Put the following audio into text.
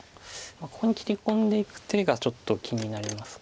ここに切り込んでいく手がちょっと気になります。